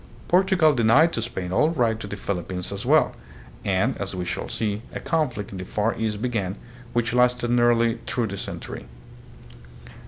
Portugal denied to Spain all right to the Philippines as well, and, as we shall see, a conflict in the Far East began, which lasted nearly through the century.